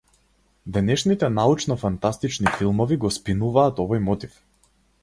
Денешните научно-фантастични филмови го спинуваат овој мотив.